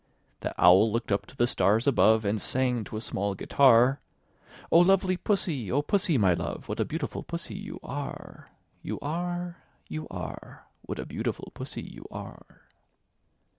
The Owl looked up to the stars above, And sang to a small guitar, "O lovely Pussy, O Pussy, my love, What a beautiful Pussy you are, You are, You are! What a beautiful Pussy you are!"